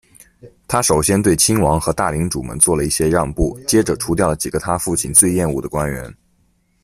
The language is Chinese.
她首先对亲王和大领主们做了一些让步，接着除掉了几个她父亲最厌恶的官员。